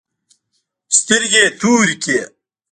سترگې يې تورې کړې.